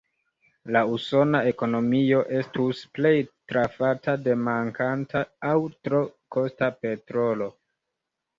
La usona ekonomio estus plej trafata de mankanta aŭ tro kosta petrolo.